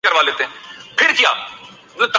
مذہبی لوگوں کی تفہیم اخلاقیات میں بھی اختلاف ہے۔